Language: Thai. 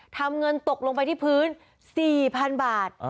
ทำเงินตกลงไปที่พื้น๔๐๐๐บาท